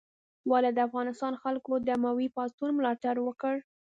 ولې د افغانستان خلکو د اموي پاڅون ملاتړ وکړ؟